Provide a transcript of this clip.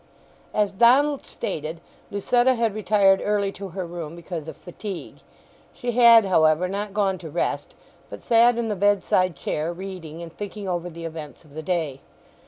As Donald stated, Lucetta had retired early to her room because of fatigue. She had, however, not gone to rest, but sat in the bedside chair reading and thinking over the events of the day.